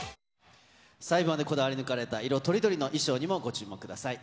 細部までこだわり抜かれた、色とりどりの衣装にもご注目ください。